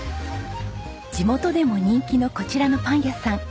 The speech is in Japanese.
地元でも人気のこちらのパン屋さん。